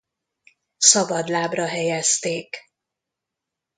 Szabadlábra helyezték.